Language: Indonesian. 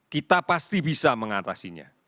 kita pasti bisa mengatasinya